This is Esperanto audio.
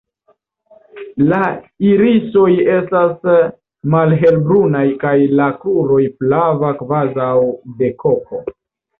La irisoj estas malhelbrunaj kaj la kruroj flava kvazaŭ de koko.